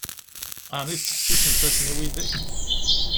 Ɛni tettḥessisemt-asen i widak?